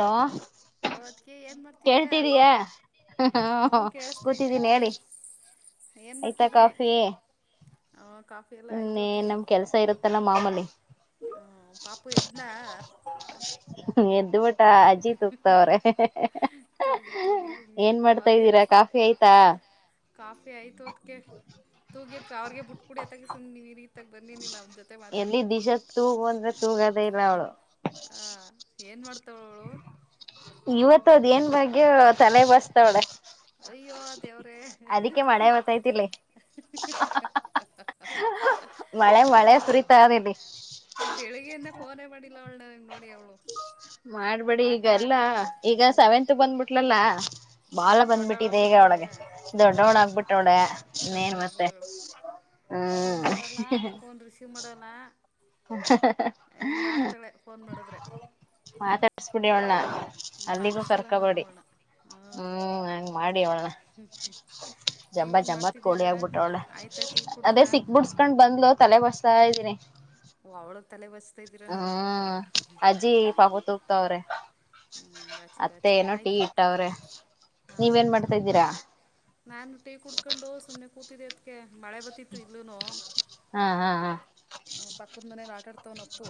Low hello ಅತ್ಗೆ ಏನ್ ಮಾಡ್ತಿದೀರಾ ಹ ಕೇಳಸ್ತೈತೆ ಕೂತಿದ್ದೀನಿ ಅತ್ಗೆ ಹೇಳಿ ಏನ್ ಆಯ್ತಾ ಮಾಡ್ತಿದ್ರಿ ಕಾಫಿ ಹ ಕಾಫಿ ಎಲ್ಲಾ ಆಯ್ತು ಇನ್ನೇ ಅತ್ಗೆ ನಮ್ ಕೆಲ್ಸ ಇರುತ್ತಲ್ಲ ಮಾಮೂಲಿ ಹ ಪಾಪು ಎದ್ನ. ಇವತ್ ತುಗ್ಲಿ ತುಗ್ಲಿ ಸುಮ್ನಿರಿ ಏನ್ ಆ ಮಾಡ್ತಾ ಇದ್ದೀರಾ ಕಾಫಿ ಆಯ್ತಾ ಕಾಫಿ ಐತು ಅತ್ಗೆ ತುಗಿ ಕ ಅವ್ರಿಗೆ ಬುಟ್ಬುಡಿ ಎತ್ತಗ ಸುಮ್ನ್ ನೀವ್ ಇರಿ. ಎಲ್ಲಿ ದಿಶತು ಹೋದ್ವರ್ಷ. ತುಗದೆ ಇಲ್ಲ ಅವ್ಳು. ಏನ್ ಮಾಡ್ತಾವ್ ಇವತ್ ಅದೆನ್ ಭಾಗ್ಯ ತಲೆ ಬಸ್ತಾವ್ಳೆ. ಅಯ್ಯೋ ಅತ್ ಅದಿಕ್ಕೆ ಮಳೆ ಬತ್ತೈತಿಲ್ಲಿ ಹಃ ಹಃ ಹಃ ಹ್ ಮಳೆ ಮಳೆ ಸುರಿತದ್ ಇಲ್ಲಿ. ಪೋನೇ ಮಾಡಿಲ್ಲ ಅವ್ಳ್ ನೋಡಿ ಅವ್ಳು. ಮಾಡ್ಬೇಡಿ ಈಗೆಲ್ಲ ಈಗ ಸೆವೆಂತ್ ಬಂದ್ಬುಟ್ಲಲ್ಲ. ಹ್ಞೂ ಬಾಳ ಬಂದ್ಬಿಟ್ಟಿದೆ ಈಗ ದೊಡ್ಡವಳಾಗ್ಬಿಟ್ಟವಳೆ ಒಳಗೆ ದೊಡ್ಡವ್ಳ್ ಹಾಂ ಆಗ್ಬಿಟ್ಟವ್ಳೆ ಇನ್ನೇನ್ ಮತ್ತೆ ದೊಡ್ಡವಳಾಗ್ಬಿಟ್ಟವಳೆ ಫೋನ್ ಹ್ಮ್. ಹಿಂಗ್ ಮಾಡ್ತಾಳೆ ಫೋನ್ ಮಾಡುದ್ರೆ. ಸ್ಪುಡಿ ಅವ್ಳ್ನ. ಅಲ್ಲಿಗೂ ನಾನು ಕರ್ಕಬೇಡಿ ಅವಳನ್ನ ಹಾಂ ಹ್ಮ್ ಹಂಗ್ ಮಾಡಿ ಅವ್ಳನ ಜಂಬ ನೀವೇನು ಜಂಬತ್ ಕೋಳಿ ಮಾಡ್ತಿದ್ದೀರಾ ಆಗ್ಬುಟ್ವ್ಳೆ ಆಯಿತಾ ಟೀ ಅದೇ ಕುಡಿದ್ರಾ ಸಿಕ್ಬಿಡ್ಸ್ಕೊಂಡ್ ಬಂದ್ಲು ತಲೆ ಬಸ್ತಾ ಇದ್ದೀನಿ. ಓ ಅವ್ಳದ್ ತಲೆ ಬಚ್ತಾ ಇದ್ದೀರ ನೀವು ಹ್ಮ್ ಅಜ್ಜಿ ಪಾಪ ತೂಗ್ತಾವ್ರೆ ಹ್ಮ್ ಬಾಚಿ ಅತ್ತೆ ಬಾಚಿ ಏನೋ ಟೀ ಆಯ್ತು ಇಟ್ಟವ್ರೆ ಹಾ ನೀವೇನ್ ಮಾಡ್ತಾ ಇದ್ದೀರಾ ನಾನು ಟೀ ಕುಡ್ಕೊಂಡು ಸುಮ್ನೆ ಕು ತೆಗಿಯತ್ಗೆ ಮಳೆ ಬತಿತ್ತು ಈಗ್ಲೂನು ಹಾ ಹಾ ಹಾ ಹ್ಮ್ ಪಕ್ಕಂದ್ ಮನೆಗೇ ಆಟಾಡ್ತವ್ನೆ ಅಪ್ಪು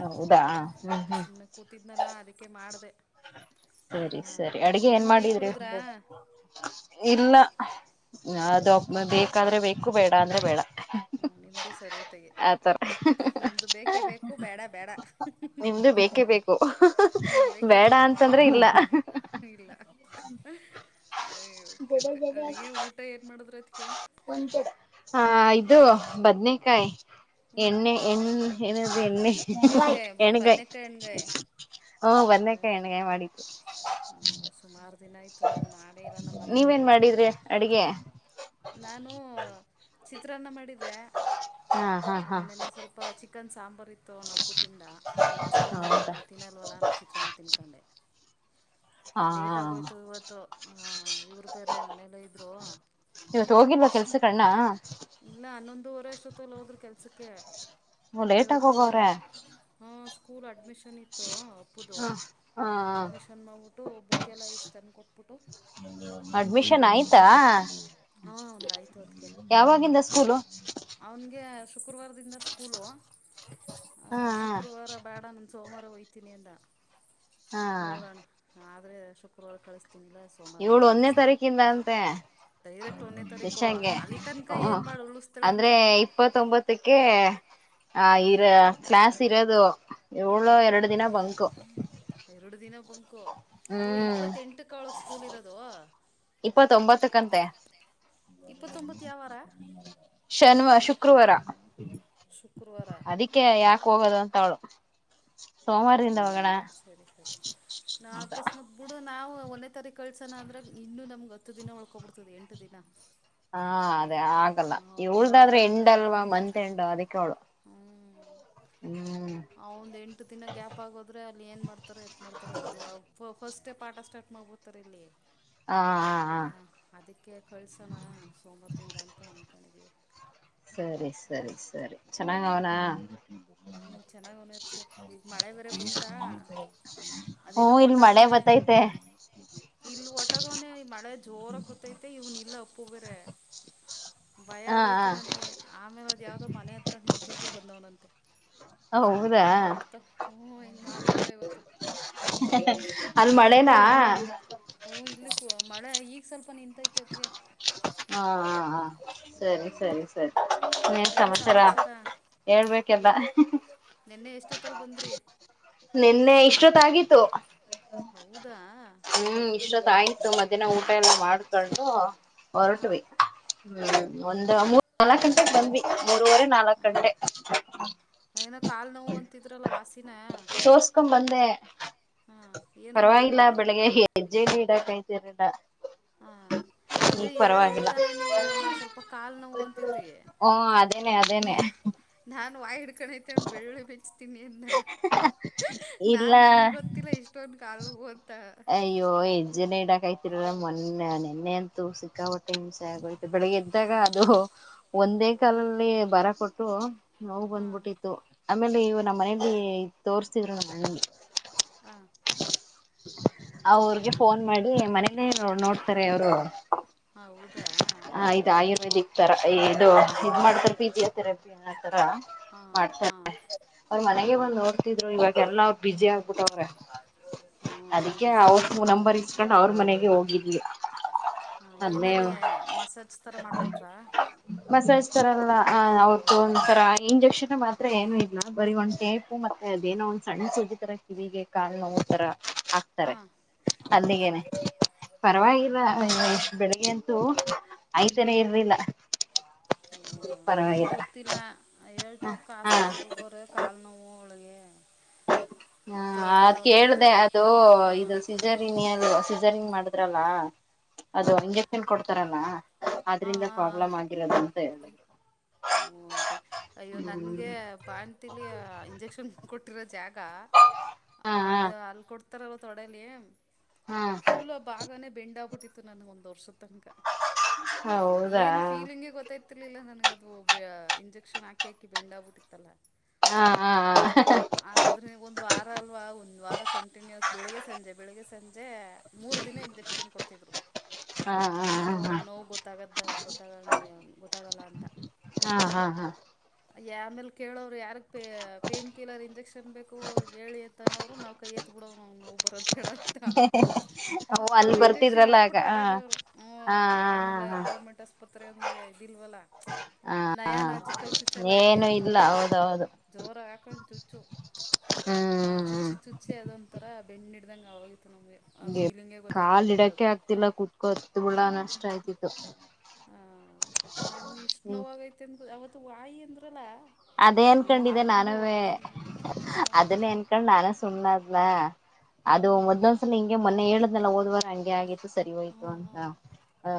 ಹೌದಾ ಹ್ಮ್ ನನಕ ಹ್ಮ್ ಸುಮ್ನೆ ಕೂತಿದ್ನಲ್ಲಾ ಅದಕ್ಕೆ ಮಧೆ ಸರಿ ಸರಿ ಅಡಗೆ ಏನ್ ನೀವು ಟೀ ಮಾಡಿದ್ರಿ ಕುಡಿದ್ರಾ ಇಲ್ಲ ಅದು ಬೇಕಾದ್ರೆ ಬೇಕು ಬೇಡ ಅಂದ್ರೆ ಬೇಡ ಹ ನಿಮ್ದೇ ಸರಿಯತೆ ಆತರ ನಮ್ದು ಬೇಕೇ ಬೇಕು ಬೇಡ ಬೇಡ ನಿಮ್ದು ಬೇಕೇ ಬೇಕು ಹ್ಮ ಬೇಕೇ ಬೇಡ ಬೇಕು ನಮ್ದು ಅಂತಂದ್ರೆ ಇಲ್ಲ ಅಯ್ಯೋ ಬದಲ್ ಕತೆ ಬದಲ್ ಅಡುಗೆ ಊಟ ಏನು ಮಾಡಿದ್ರು ಅದಕ್ಕೆ ಹಾ ಇದು ಬದ್ನೇಕಾಯಿ ಹ್ಞೂ ಎಣ್ಣೆ ಎಣ್ ಏನದು ಎಣ್ಣೆ ಎಣ್ಗಾಯಿ ಹೆಣಗಾಯ ಬದನೇಕಾಯಿ ಎಣ್ಗಾಯಿ ಹ ಬಂದಕ್ಕೆ ಹೆಣಗಾಯಿ ಮಾಡಿ ಹ [inaudible] ಹ್ಮ ಸುಮಾರು ದಿನ ಆಯ್ತು ನಾನು ಮಾಡೇ ಇಲ್ಲ ನಮ್ಮ ಮನೇಲಿ ನೀವೇನ್ ಮಾಡಿದ್ರಿ ಅಡ್ಗೆ ನಾನು ತ್ರತ್ರಾನ್ನ ಮಾಡಿದೆ ಹಾ ಹಾ ಹಾ ನೆನ್ನೆ ಸ್ವಲ್ಪ ಚಿಕನ್ ಸಾಂಬಾರ್ ಇತ್ ಇನೊಪ್ಪು ತಿಂದ ಇವತ್ ಸೋಮವಾರ ಹೌದಾ ನ ತಿನ್ನಲ್ವಲ್ಲ ನಾ ಚಿತ್ರನ ತಿನ್ಕೊಂಡೆ ಹಾ ಲೇಟ್ ಆಗೋಯ್ತು ಇವತ್ತು ಹ ಇವ್ರದರೆ ಮನೆಯಲ್ಲ ಇದ್ರು ಇವತ್ತು ಹೋಗಿಲ್ಲ ಕೆಲ್ಸ ಕಣ್ಣ ದುರು ವರೆಷ್ಟೊತ್ತಲಿ ಹೋದ್ರ ಕೆಲ್ಸಕ್ಕೆ ಹ ಲೇಟ್ ಆಗ ಹೋಗವ್ರೆ ಸ್ಕಲ್ ಅಡ್ಮಿಷ್ ಷನ್ ಇತ್ತು ಅಪ್ಪದು ಹ ಹ ಅಡ್ಮಿಷನ್ ಮಾಡಿಬಿಟ್ಟು ಬುಕ್ಕೆಲ್ಲ ಇಷ್ಟು ತಂದು ಕೊಟ್ಬಿಟ್ಟು ಅಡ್ಮಿಷನ್ ಹೋದ್ರು ಆಯ್ತಾ ಹ ಒಂದ್ಯ್ತು ಅದಕ ಯಾವಾಗಿಂದ ಸ್ಕೂಲು ಅವನ್ಗೆ ಶುಕ್ರವಾರದಿಂದ ಸ್ಕೂಲು ಹ ಹಾ ಶುಕ್ರವಾರ ಬ್ಯಾಡ ನಂದ ಸೋಮವಾರ ವಯ್ತೀನಿ ಅಂದ ಹಾ ನೋಡೋಣ ಹ ಆದ್ರೆ ಶುಕ್ರವಾರ ಕಳಿಸ್ ಇವಳು ಒಂದನೇ ತಾರೀಕಿಂದ ಅಂತೆ. ಡೈರೆಕ್ಟ್ ಒಂದೇ ತಾರೀಕು ಬಶಾಂಗೆ, ಅಲ್ಲಿ ತನಕ ಹ ಏನು ಮಾಡಿ ಅಂದ್ರೆ ಉಳಿಸ್ತಾಳಂತೇಳಿ ಇಪ್ಪತ್ತೊಂಬತ್ತಕ್ಕೆ ಆ ಹಾಂ ಇರ ಕ್ಲಾಸ್ ಇರೋದು ಹಾಂ ಇವ್ಳು ಎರಡು ದಿನ ಬಂಕು. ಅಬಂಕು ಓ ಹ್ಮ್ ಇಪ್ಪತ್ತೆಂಟ್ಟಕ್ ಅವ್ಳಗ್ ಸ್ಕೂಲ್ ಇರೋದು. ಇಪ್ಪತ್ತೊಂಬತ್ತಕಂತೆ. ಇಪ್ಪತ್ತೊಂಬತ್ತು ಯಾವ ವಾರ ಶನಿವಾರ, ಶುಕ್ ಶುಕ್ರವಾರ, ಶುಕ್ರವಾರ ಅದಕ್ಕೆ ಯಾಕೆ ಹೋಗೋದುಂ ಅವ್ಳು ಓ ಹಂಗೆ ಹಂಗೆ ಸರಿ ಸರಿ, ನಾ ಅಕಸ್ಮಾತ್ ಬಿಡು ನಾವು ಒಂದೇ ತಾರೀಕ್ ಕಳ್ಸೋಣ ಅಂದ್ರೆ ಇನ್ನು ನಮ್ಗ್ ಹತ್ತು ದಿನ ಉಳ್ಕೋಬಿಡ್ತದೆ, ಎಂಟು ದಿನ. ಹಾ ಅ ಆಗಲ್ಲ, ಒಂದು ವಾರ ಈವಳ್ದಾದ್ರೆ ಅಂದ್ರೆ ಎಂಡಲ್ವಾ ಮತ್ ಎಂಡು ಅದಕ್ಕೆ ಅವಳು. ಹ್ಮ್ ಅವ ಒಂದ್ ಎಂಟು ದಿನ ಗ್ಯಾಪ್ ಆಗೋದ್ರೆ ಅಲ್ಲಿ ಏನ್ ಮಾಡ್ತಾರ ಎತ್ ಮಾಡ್ತಾರ ಗೊತ್ತಿಲ್ಲ, ಅಪ್ಪಪ್ ಫಸ್ಟೇ ಪಾಠ ಸ್ಟಾರ್ಟ್ ಮಾಡ್ಬೋತಾರೆ ಇಲ್ಲಿ. ಹಾ ಹಾ ಹಾ ಅ ಅದಕ್ಕೆ ಕಳ್ಸೋಣ ಸೋಮವಾರದಿಂದ ಅಂತ ಒಂದ ತಣಗಿ ಸರಿ ಸರಿ ಸರಿ. ಚೆನ್ನಾಗ್ ಅವ್ನ? ಹ್ಮ್ ಚೆನ್ನಾಗವ್ನೆತ್ಗೆ, ಈಗ ಮಳೆ ಬೇರೆ ಬಂತ ಹ್ಮ ಅದೆಲ್ಲೋ ಇಲ್ ಮಳೆ ಒಂಟೋಗೋನೆ, ಬತ್ತೈತೆ ಇಲ್ ಒಂಟಗೋನೆ ಮಳೆ ಜೋರಾಗ್ ಬತ್ತೈತೆ, ಇವ್ನ ಎಲ್ಲ ಅಪ್ಪು ಬೆರೆ. ಭಯ ಹಾ ಹಾಗೋಯ್ತು ಹ ನನಗೆ, ಆಮೇಲೆ ಅದ್ ಯಾವುದೋ ಮನೆ ಹತ್ರ ನಿಂತ್ ಇದ್ದು ಬಂದವನಂತೆ. ಹೌದಾ ಹಿಂಗ್ ಮಾಡ್ತ ಹು ಹಿಂಗ ಮಾಡ್ಬಿಟ ಇವತ್ತು, ಅಲ್ಲಿ ಮಳೆನಾ ಹು ಇಲ್ಲಿ ಗೋ ಹಾ ಈಗ ಸ್ವಲ್ಪ ನಿಂತೈತೆ ಅತ್ಗೆ. ಹಾ ಹಾ ಹಾ. ಸರಿ ಸರಿ ಸರಿ ಏನ್ ಸಮಾಚಾರ, ಹೇಳ್ಬೇಕೆಲ್ಲ. ಏ ನಿನ್ನೆ ಎಷ್ಟೊತ್ತಲ್ಲಿ ಬಂದಿರಿ ನಿನ್ನೆ ಇಷ್ಟೊತ್ತಾಗಿತ್ತು, ಹೌದಾ ಹ್ಮ ಆಯ್ತು ಮಧಹ್ನ ಊಟ ಎಲ್ಲ ಮಾಡ್ ಕಂಡು ಹಾ ಹೊರಟ್ವಿ, ಹಾ ಹ್ಮ್ ಒಂದಮು ನಾಲ್ಕು ಗಂಟೆಗೆ ಬಂದ್ವಿ. ಮೂರವರೆ ನಾಲ್ಕ್ ಹಾ ಗಂಟೆ ಏನೋ ಕಾಲ್ ನೋವು ಅಂತಿದ್ರಲ್ಲ, ವಾಸಿನ? ತೋರ್ಸ್ಕೊಂಡ್ ಬಂದೆ. ಹಾಂ ಏನಂದ್ರು ಪರವಾಗಿಲ್ಲ ಬೆಳಿಗ್ಗೆ ಹೆಜ್ಜೆ ನೀಡಕಾಯ್ ತಿರ್ಲಿಲ್ಲ. ಹಾ ಅದೇ ಹೇಳಿದ್ರಿ ತಾನೇ ನೀವು ಮೊನ್ನೆ ಸ್ವಲ್ಪ ಕಾಲ್ ನೋವು ಅಂತಿದ್ರಿ ಹ್ಮ ಅದೇನೆ ನ ಅದೇನೆ ನಾನ್ ವಾಯ್ ಹಿಡ್ ಕಣ್ಣಿತನ್ ಬೆಳ್ಳುಳ್ಳಿ ಬಿಡ್ಸ್ ತಿನಿ ಅಂದ್ನಲ್ಲ ನಾನ್ ನನಗ್ ಇಲ್ಲ ಗೊತ್ತಿಲ್ಲ ಇಷ್ಟೊಂದ್ ಕಾಲು ಓದ್ ಅಯ್ಯೋ ಹೆಜ್ಜನೆ ಇಡಾಕಾಯ್ ತಿಲ್ಲ ಮೊನ್ನೆಯ್ ನೆನ್ನೆ ಅಂತೂ ಸಿಕ್ಕಾಪಟ್ಟೆ ಹಿಂಸೆ ಆಗೋಯ್ ಬೆಳಿಗ್ಗೆ ಎದ್ದಾಗ ಹಾಂ ಅದು ಒಂದೇ ಹಾಂ ಕಾಲಲ್ಲಿ ಬರ ಕೊಟ್ ತೊ ನೋವು ಹಾಂ ಬಂದ್ಬಿಟ್ಟಿತ್ತು ಆಮೇಲೆ ಇವು ನಮ್ ಹಾಂ ಮನೆಲ್ಲಿ ತೋರಿಸ್ತಿದ್ರು ನಮ್ಮಣ್ಣಂಗೆ. ಹಾಂ ಅವ್ರ್ಗೆ ಫೋನ್ ಮಾಡಿ ಮನೆನೆ ನೋಡ್ತಾರೆ ಅವರು. ಹ ಹೌದಾ ಹ ಇದು ಆಯುರ್ವೇದಿಕ್ ತರ ಇದು ಇದ್ ಮಾಡ್ಕಾರೆ ಪಿಜಿಯೋ ತೆರಪಿನ ರ ಹಾಂ ಮಾಡ್ತಾರೆ ಹಾಂ ಅವ್ರ ಮನೆಗೆ ಹಾಂ ಬಂದು ನೋಡ್ತಿದ್ರು ಇವಾಗ್ ಎಲ್ಲವ್ ಬಿಜಿ ಆಗ್ಬಿಟ್ಟವ್ರೆ. ಹ್ಞೂ ಅದಿಕ್ಕೆ ಬ್ಯುಸಿ ಅವ್ರ್ ಆಗ್ಬಿಟ್ಟವ್ರು ನಂಬರ್ ಇಸ್ಕೊಂಡು ಅವ್ರ್ ಮನೆಗೆ ಹೋಗಿ. ಗಿ ಹಾ ಏನಲ್ಲಿ ಮಸಾಜ್ ತರ ಮಾಡ್ಕೊಟ್ರ. ಮಸಾಜ್ ತರಲ್ಲ. ಹ ಹೌದು ಒಂತರ ಇಂಜೆಕ್ಷನ್ ದೆ ಮಾತ್ರೆ ಏನು ಇಲ್ಲ ಬರೀ ಒಂದ್ಟೇಪು ಮತ್ತೆ ಅದೇನೋ ಸಣ್ ಸೂಜಿ ತರ ಕಿವಿಗೆ ಕಾಲು ನೋವು ತರ. ಆಗ್ತಾರೆ ಹಾಂ ಹೌದಾ ಅಲ್ಲಿಗೇನೆ ಹ್ಞೂ ಪರ್ವಾಗಿಲ್ಲ ಏ ಬೆಳಿಗ್ಗೆ ಅಂತೂ. ಐತನೇ ಹ್ಮ್ ಇರ್ಲಿಲ್ಲ ಓ ನನ್ಗು ಪರವಾಗಿಲ್ಲ ಗೊತ್ತಿಲ್ಲ ಹೇಳ್ತು ಹ ಅಕ್ಕ ಹಾ ಆಸ್ಪತ್ರೆಗ್ ಹೋಗವ್ರೆ ಕಾಲ್ ನೋವು ಕಾಲ್ ಅವ್ಳ್ಗೆ. ಹಾ ಅದ್ ಅಂತು ಕೇಳ್ದೆ ಅದು ಹಾಂ ಇದು ಸಿಜರಿನಿ ಅಂದ್ಲು ಸಿಝ ಝರಿಂಗ್ ಮಾಡುದ್ರಲ್ಲಾ. ಅದು ಹಾಂ ಇಂಜೆಕ್ಷನ್ ಕೋಡ್ ತರಲ್ಲ. ಹಾಂ ಅದ್ರಿಂದ ಪ್ರಾಬ್ಲಮ್ ಆಗಿರೋದಂ ದೆ. ಹು ಅದೇ ಅಯ್ಯೋ ನನ್ಗೆ ಬಾಣ್ತಿಲಿ ಇಂಜೆಕ್ಷನ್ ಕೊಟ್ ಟಿರೋ ಜಾಗ ಹಾ ಹಾ ಅದು ಅಲ್ ಕೊಡ್ತಾರಲ್ ತೊಡೆಲಿ. ಹಾ ಫುಲ್ಲ, ಭಾಗನೇ! ಬೆಂಡಾಬಿಟ್ಟಿತ್ತು? [inaudible] ಇವತ್, ನನಗೆ, ಒಂದ್ ವರ್ಷ. [inaudible] ತನಕ, ಹೌದಾ ಏನ್ ಫೀಲಿಂಗಗೆ! ಗೊತ್ತಾಯತ? [inaudible] ಗೊತ್ತು ಇರಲಿಲ್ಲ, ನನಗೆ? [inaudible] ಅದು, ಇಂಜೆಕ್ಷನ್. ಹಾಕಿ, ಹಾಕಿ ಬೆಂಡಾಬಿಟ್ಟಿತ್ತಲ್ಲಾ? [inaudible] ಹಾ ಹಾ ಆದರೆ, ಒಂದು. ವಾರ ಅಲ್ವಾ ಒಂದು ವಾರ ಕಂಟಿನ್ಯೂಸ್ ಬೆಳಿಗ್ಗೆ ಸಂಜೆ ಬೆಳಿಗ್ಗೆ ಸಂಜೆ. ಮೂರು, ದಿನ ಇಂಜೆಕ್ಷನ್. ಕೊಡ್ತಿದ್ರು ಹಾ ಹಾ ಅದು ನೋವು ಗೊತ್ತಾಗದ, ಗೊತ್ತಾಗಗೆ, ಗೊತ್ತಾಗಲ್ಲ ಅಂತ. [unintelligible] ಹಾ, ಹಾ, ಹಾ.. [inaudible] ಆಮೇಲೆ, ಕೇಳೋವ್ರು ಯಾರಕ್ ಪ ಪೇನ್ ಕಿಲರ್ ಇಂಜೆಕ್ಷನ್ ಬೇಕು. ಹೇಳಿ ಅಂತನ್ನೋರು ನಾವು ಕೈ? ಎತ್ತತ್ ಬಿಡವ್ ನ್ ನವು ಬರದು. [unintelligible] ಕೇಡಂತ ಅಲ್ಲಿ ಅವರು ಇಂಜೆಕ್ಷನ್ ಬರ್ತಿದ್ರಲ್ಲ ಆಗ ಹಾಕ್ಬಿಟ್ಟು ಹ ಹೋಟಾಕ್ ಅವರು ಹ ಹಾ ಆಮೇಲೆ ಹಾ ಗೌರ್ಮೆಂಟ್, ಆಸ್ಪತ್ರೆ. ಅಂದ ಇದಿಲ್ವಲ್ಲ! [unintelligible] ಹಾ ನಯ! ಹಾ ನಾಜಕಲ್ ಚುಚ್ಚಲ್ಲ ಏನು ಏನ್ ಇಲ್ಲ ತಗೋ? ಹೌದೌದು ಜೋರ ಹಾಕೊಂಡು ಚುಚ್ಚು. ಆ ಹ್ಮ್ ಚುಚ್ಚಿ ಹ್ಮ್ ಚುಚ್ಚಿ ಅದೊಂಥರ?. [unintelligible] ಬೆನ್ನು ಹಿಡಿದಂಗ್ ಆಗೋಯ್ತು? [inaudible] ಹೇ? ಕಾಲ್ ಇಡಕ್ಕೆೆ ಆಗ್ತಿಲ್ಲ. ಕುೂತ್ಕೊತ್ ಬಿಡಾನ? [inaudible] ಇಷ್ಟ, ಆಯ್ತಿತ್ತು ಹ್ಮ್.. [inaudible] ಇ, ವಾಯಿ ಅಂದ್ರಲ್ಲ? [inaudible] ಅದೇ ಎಲ್ಲ ಅನ್ಕೊಂಡೆ ನಾರ್ಮಲ್ ನಾನುವೆ ವಾಯಿ ಹಾಂ ಅದನ್ನ ಏನ್ಕಂಡ್ ನಾನೇ ಸುಮ್ನ ಅದ್ಲ!. [inaudible] ಅದು ಹ್ಞೂ ಮೊದಲು. ಒಂದು, ಸಲ ಹಾಂ ಹಿಂಗೆ ಮೊನ್ನೆ, ಹೇಳಿದ್ನಲ್ಲ? ಹೋದವರ. [inaudible] ಹಂಗೆ! ಹಾಗಿತ್ತು. [inaudible] ಸರಿ, ಹೋಯ್ತು! ಹಾಂ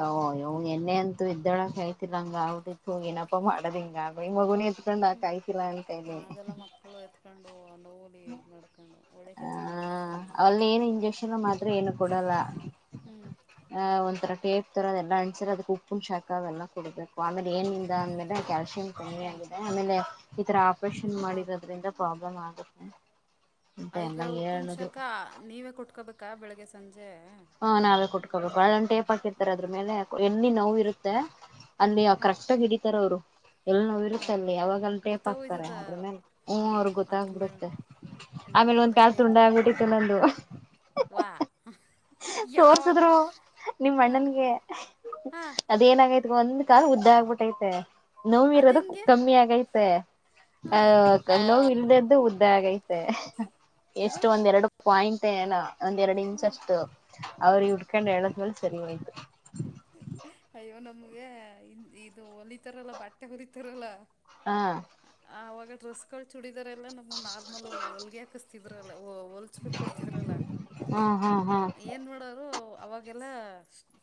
ಹ್ಞೂ ಎಲ್ಲೆ ಅಂತ? [inaudible] ಇದ್ದೊಳಯತಿಂಲ್ಲ, ಹಂಗ ದಿತ್ತು. ಏನಪ್ಪ ಮಾಡದ ಹಿಂಗ ಮಗು? [inaudible] ಹ್ಮ್! ಆಗಲ್ಲ ಮಕ್ಕಳು, ಎತ್ಕೊಂಡು ನೋವು. [inaudible] ಮಾಡ್ಕೊಂಡು ಒಳ್ಳೆ ಆ, ಕೆಲಸ ಮಾಡಿದ್ರೆ ಸುಮ್ಮನೆ ಅಲ್ಲಿ ಏನು ಇಂಜೆಕ್ಷನ್ ಮಾತ್ರ. ಏನು ಕೊಡಲ್ಲ, ಹ್ಞೂ ಒಂಥರ ಟೇಪ್ ತರ. [inaudible] ಅ, ಎಲ್ಲ ಅಸ ಅದು ಉಪ್ಪು! ಶಾಕಾ ಎಲ್ಲ ಕೊಡಬೇಕ ಆಮೇಲೆ.. [inaudible] ಏನಿಂದ, ಮೇಲೆ ಕ್ಯಾಲ್ಸಿಯಂ, ಕಮ್ಮಿ ಹಾಂ ಆಗಿದೆ ಆಮೇಲೆ. [inaudible] ಇ, ತರಾ. [inaudible] ನ್, ಹಾಂ ಮಾಡಿರೋದ್ರಿಂದಾ? [inaudible] [inaudible] ಈಗ ಉಪ್ಪಿನ ಶಾಖ ನೀವೇ ಕೊಟ್ಕೋಬೇಕು ಕ ಬೆಳಗ್ಗೆ ಸಂಜೆ ಹಾ ನಾವೇ ಕುಟ್ಕೋಬೇಕು ಅಲ್ಲೊಂದು ಟೇಪ್ ಹಾಕಿರ್ತಾರೆ ಅದ್ರ್ ಮೇಲೆ ಎಲ್ಲಿ ನೋವಿರುತ್ತೋ ಅಲ್ಲಿ ಹಾಂ ಕರೆಕ್ಟ್ ಆಗಿ ಹಿಡಿತಾರೆ ಅವ್ರು ಎಲ್ಲಿ ನೋವು ಇರುತ್ತ ಹಾಂ ಅಲ್ಲಿ ಅವಾವಾಗ ಅಲ್ಲಿ ಟೇಪ್ ಹಾಕ್ತಾರೆ ಗೊತ್ತಾಗೋಯ್ತದ ಅದ್ರ್ಮೇಲೆ ಹ್ಮ ಹಾಂ ಅವ್ರಗ್ ಅದ್ರ ಮೇಲೆ ಗೊತ್ತಾಗಬಿಡುತ್ತೆ ಹ್ಞೂ ಆಮೇಲೆ ಅದ್ರ ಒಂದ್ ಮೇಲೆ ಪ್ಯಾಂಟ್ ಟೇಪ್ ತುಂಡ ಹಾಕಿ ಆಗ್ಬಿಟ್ಟಿತ್ತು ನಂದು. ವಾ ಯಾವಾಗ ತೋರ್ಸಿದ್ರು ನಿಮ್ಮ್ ಹಾಂ ಅಣ್ಣನ್ಗೆ ಹಾಂ ಅದೇನ ಆಯ್ತ್ ಒಂದ ಕಾರ್ ಉದ್ದ ಆಗ್ಬಿಟ್ಟೈತೆ ನೋವು ಅದು ಇರೋದು ಹೆಂಗೆ ಕಮ್ಮಿ ಆಗೈತೆ ಹಾಂ ಅಹ ನೋವು ಇಲ್ದದ್ದು ಉದ್ದ ಆಗೈತೆ ಹ [unintelligible] ಬೈ ಎಷ್ಟು ಒಂದ್ ಎರಡು ಪಾಯಿಂಟ್ ಏನ ಒಂದ್ರಡು ಇನ್ಸ್ ಹಾಂ ಅಷ್ಟು ಅವರು ಹಾಂ ಹುಡ್ಕೊಂಡಂಡು ಹೇಳಳ್ [unintelligible] ಸರಿಯ್ ಅಯ್ಯೋ ಇದು ಹೊಲಿತಾರಲ್ಲ ಬಟ್ಟೆ ಹೊರಿತಾರಲ್ಲ ಹಾ ಡ್ರೆಸ್ಗಳು ಚುಡಿ ಇದರೆಲ್ಲಾ ನಮ್ ನಾರ್ಮಲ್ ಹೊಲಗೆ ಹಾಕಿಸ್ತೀವಿ ಹ ಹೊಲ್ಸ್ಬಿಟ್ಟ ಕೊಡ್ತಿದ್ರಲ್ಲ ಹಾ ಹಾ ಹಾ ಏನ್ ಮಾಡೋರು ಅವಾಗೆಲ್ಲ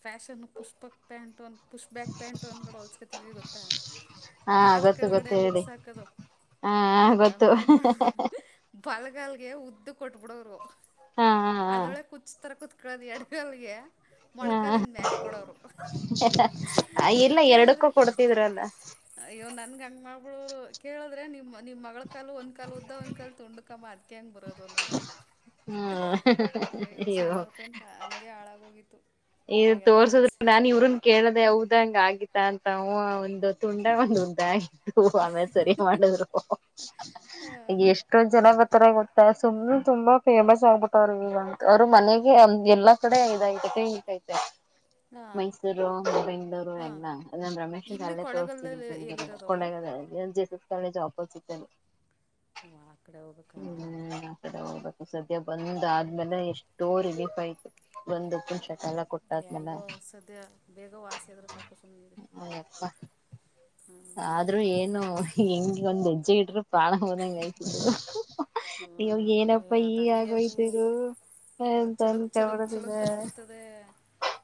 ಫ್ಯಾಷನ್ ಪುಸ್ಪಕ್ ಪ್ಯಾಂಟ್ ಒಂದು ಪುಷ್ ಬ್ಯಾಕ್ ಪ್ಯಾಂಟ್ ಒಂದ ಕಡೆ ಹೊಲ್ಸ್ಕತಿದ್ವಿ ಗೊತ್ತಾ ಹಾ ಕಾಲ್ ಗೊತ್ತು ಕೆಳಗಡೆ ಗೊತ್ತು ಹೇಳಿ ಹಗ್ಸಾಕದು ಹಾ ಗೊತ್ತು ಏನ್ ಮಾಡ ಬ [unintelligible] ಗಗೆ ಉದ್ದು ಕೊಟ್ಬಿಡೋರು ಹಾ ಹಾ ಅದೊಳೆ ಹಾ ಕುಚ್ತರ ಕುತ್ [unintelligible] ಅ ಅದು ಅಡಗಲ್ಗೆ ಮಡಕ ಹಾ ಅಕ್ಕದಿಂದ ಮ ಯಾಕ ಕೊಡೋರು ಈ ಎಲ್ಲ ಎರಡಕ್ಕೂ ಕೇಳಿದ್ರೆ ಕೊಡ್ತಿದ್ರಲ್ಲ ಅಯ್ಯೋ ನನ್ಗ ಹಂಗ ಮಾಡ [unintelligible] ಳರು ಕೇಳಿದ್ರೆ ನಿಮ್ ನೀವು ಮಗಳ ಕಾಲು ಒಂದ್ ಕಾ [unintelligible] ಕಲ್ ತುಂಡುಕಮ್ಮ ಅದಕ ಹೆಂಗ ಬರೋದೋವರು ಹ್ಮ ಹೋಗಿತು ಈ ತೋರ್ಸುದ್ರ ನಾನನ್ ಇವ್ರನ್ ಕೇಳದೆ ಹೌದಂಗ ಆಗತ್ತ ಅಂತ ತುಂಡ ಒಂದು ಉದ್ದಾಯ ಹ ಆಮೇ ಸರಿ ಮಾಡಿದ್ರು ಹಾಂ ಎಷ್ಟೊ ಜನತ್ತರ ಗೊತ್ತಾ ಸುಮ್ಮ್ನೆ ತುಂಬಾ ಪೇಮಸ್ ಆಗಬಿಟ್ಟ ರೀಗ [unintelligible] ಅವರು ಮನೆಗೆ ಹಾಂ ಎಲ್ಲಾ ಕಡೆ ಇದ್ತ ಆಯತ ಹಾಂ ಮೈಸೂರು ಬೆಂಗಳೂರು ಹಾಂ ಎಲ್ಲಾ ಅ ರಮೇಶ್ಂದ ಇಲ್ಲಿ ಹಲ್ಲೆ ತೋರಸ್ಥಿನಿ ಕೊಳೆಗಲ್ದಲ್ಲಿ ಬೆಂಗಳೂರಲ್ಲೆ ಎಲ್ಲಿರೋದವರು ಕೊಂಡ ಜಫ [unintelligible] ಕಾಲೇಜೂ ಜಾಬ್ ಸಿಕ್ದಂಗೆ ಓ ಆ ಕಡೆ ಹೋಗ್ಬೇಕಾ ಹ್ಮ್ ಆಕಡೆ ಹೋದ ಸದ್ಯ ಬಂದ್ ಆದ್ಮೇಲೆ ಎಷ್ಟೋ ರಿಲೀಫ್ ಆಯ್ತ ಒಂದಕ್ಕೆ ಸಾಕು ಸಾಲ ಕೊಟ್ಟಾದ್ಮೇಲೆ ಹೆಂಗೋ ಸದ್ಯ ಬೇಗ ವಾಸಿ ಆದ್ರೆ ಸಾಕು ಸುಮ್ಮನಿರಿ ಏಪ್ಪ ಆದ್ರೂ ಏನು ಹೆಂಗ್ ಒಂದು ಚೆಯಿಟಿಗೆ ಪಾಣ ಹೋದಂಗೆ ಆಯ್ತು ಇವ ಏನಪ್ಪಾ ಅದು ಈಗ ಹಂಗೆ ಅದು ಆಗೋಯತರು ಅಂತನ್ ಚಿಳುಕ್ ಚಿಳುಕ್ ಚಿಳುಕ್ ಕಡದಿದೆ ಅಂತಿರ್ತದೆ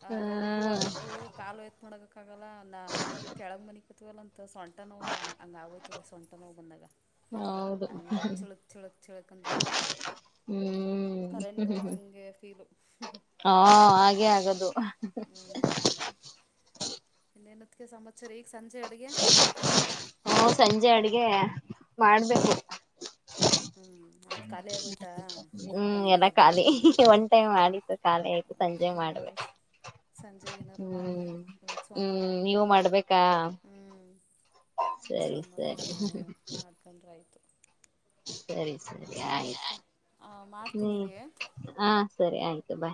ಆ ನೋವುಗೂ ಅದಕ್ಕೂ ಕಾಲು ಎತ್ ಆಗಲ್ಲ ನ ನಾವು ಕೆಳಗ್ ಮನಿ ಇತ್ವಲ್ಲ ಅಂತ ಸೊಂಟ ನೋವು ಹಂಗೆ ಆಗಾಯ್ತದೆ ಸೊಂಟ ನೋವು ಬಂದಾಗ ಹೌದು ಚಳ್ಕ ನೋಯ್ತದೆ ಹ್ಮ್ ಕರೆಂಟ್ ಹ್ಮ್ ಹ್ಮ್ ಹೊಡದಂಗೆ ಫೀಲು ಹಾ ಹಾಗೆ ಆಗದು ಹ್ಮ ಇನೇನುಅತ್ತಿಗೆ ಸಮಾಚಾರಿ ಸಂಜೆ ಅಡುಗೆ ಗೆ ಮಾಡ್ಬೇಕು ಹ್ಮ್ ಹ್ಮ್ ಎಲ್ಲ ಖಾಲಿ ಬದನೇಕಾಯಿ ಹಂಗೆ ಒನ್ ಟೈಮ್ ಮಾಡಿತ್ತು ಖಾಲಿ ಆಯ್ತು ಸಂಜೆ ನಾನು ಮಾಡ್ಬೇಕು ಸಂಜೆಗೆ ಏನಾರು ಹ್ಮ್ ಮಾಡಬೇಕು ಇವತ್ತು ಹ್ಮ್ ಸೋಮವಾರ ನೀವ ಮಾಡ್ಬೇಕಾ ಹ್ಮ್ ಸರಿ ಸೋಮವಾರ ಸರಿ ಏನಾರು ಮಾಡ್ಕೊಂಡ್ರೆ ಆಯ್ತು ಸರಿ ಸರಿ ಆಯ್ತು ಇನ್ನೇನಕ್ಕ ಮಾಡ್ತೀನಿ ಹ್ಮ ರೀ ಹ ಸರಿ ಆಯ್ತು ಬಾ